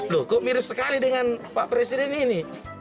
loh kok mirip sekali dengan pak presiden ini